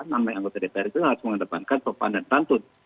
namanya anggota dpr itu harus menghadapankan pemerintah tantun